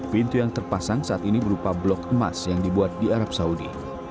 pintu yang terpasang saat ini berupa blok emas yang dibuat di arab saudi